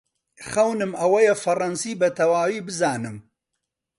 خەونم ئەوەیە فەڕەنسی بەتەواوی بزانم.